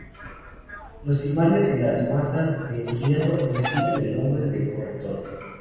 Los imanes y las masas de hierro reciben el nombre de "correctores".